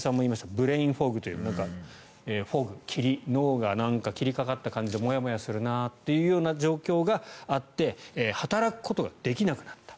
ブレインフォグフォグ、霧脳が霧がかった状態でもやもやするなという状況があって働くことができなくなった。